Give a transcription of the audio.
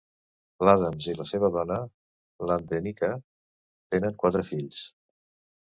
L'Adams i la seva dona, l'Andenika, tenen quatre fills.